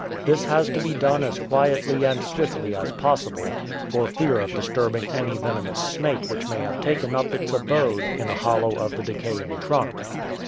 This has to be done as quietly and swiftly as possible, for fear of disturbing any venomous snake which may have taken up its abode in a hollow of the decaying trunk.